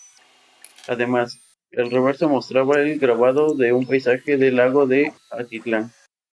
Además, el reverso mostraba el grabado de un paisaje del lago de Atitlán.